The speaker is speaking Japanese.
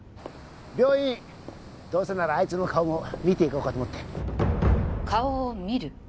病院どうせならあいつの顔も見ていこうかと思って顔を見る？